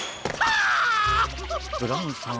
ブラウンさん